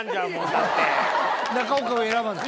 中岡は選ばない？